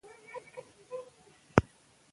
چی ددوی ترمنځ ټولنیز تعامل په مشوره ولاړ دی،